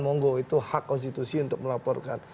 monggo itu hak konstitusi untuk melaporkan